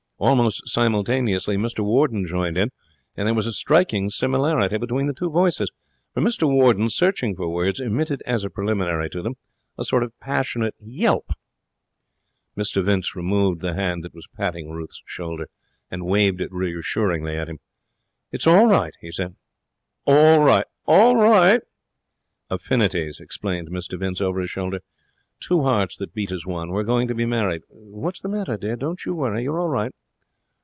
Almost simultaneously Mr Warden joined in, and there was a striking similarity between the two voices, for Mr Warden, searching for words, emitted as a preliminary to them a sort of passionate yelp. Mr Vince removed the hand that was patting Ruth's shoulder and waved it reassuringly at him. 'It's all right,' he said. 'All right! All right!' 'Affinities,' explained Mr Vince over his shoulder. 'Two hearts that beat as one. We're going to be married. What's the matter, dear? Don't you worry; you're all right.'